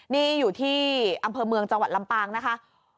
นี่อยู่ที่อำเภอเมืองจังหวัดลำปางนะคะ